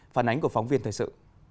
phản ánh của phóng viên thời sự